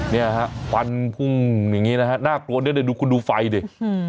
เนี่ยฮะควันพุ่งอย่างนี้นะฮะน่ากลัวเนี่ยดูคุณดูไฟดิอืม